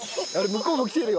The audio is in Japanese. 向こうも来てるよ。